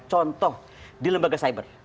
contoh di lembaga cyber